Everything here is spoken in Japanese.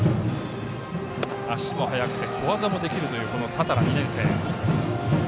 足も速くて、小技もできるという多田羅、２年生。